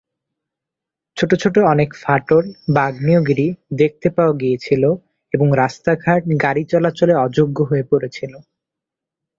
ছোট ছোট অনেক ফাটল/আগ্নেয়গিরি দেখতে পাওয়া গিয়েছিল এবং রাস্তাঘাট গাড়ি চলাচলে অযোগ্য হয়ে পড়েছিল।